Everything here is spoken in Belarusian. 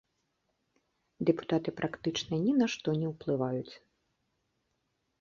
Дэпутаты практычна ні на што не ўплываюць.